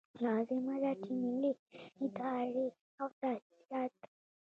لازمه ده چې ملي ادارې او تاسیسات.